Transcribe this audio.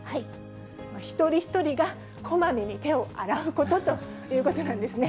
一人一人がこまめに手を洗うことということなんですね。